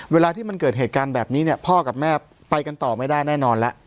เวลาที่มันเกิดเหตุการณ์แบบนี้เนี่ยพ่อกับแม่ไปกันต่อไม่ได้แน่นอนแล้ว